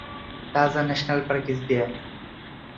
Taza National Park is there.